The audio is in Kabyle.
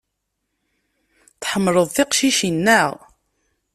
Tḥemmleḍ tiqcicin, naɣ?